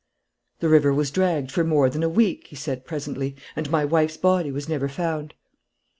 "The river was dragged for more than a week," he said, presently, "and my wife's body was never found."